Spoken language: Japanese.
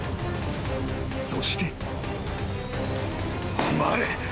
［そして］